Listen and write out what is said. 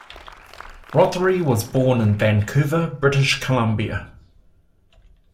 Rothery was born in Vancouver, British Columbia.